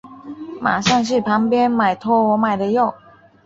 马上去旁边买托我买的药